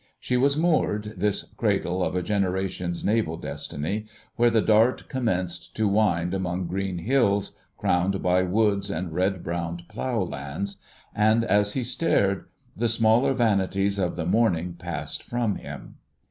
She was moored, this cradle of a generation's Naval destiny, where the Dart commenced to wind among green hills crowned by woods and red brown plough lands; and as he stared, the smaller vanities of the morning passed from him.